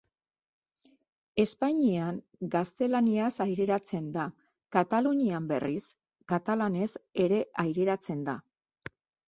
Espainian gaztelaniaz aireratzen da, Katalunian berriz katalanez ere aireratzen da.